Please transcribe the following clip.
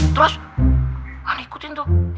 terus kan ikutin tuh